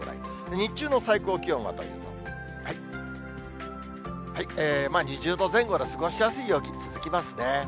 日中の最高気温はというと、２０度前後で過ごしやすい陽気続きますね。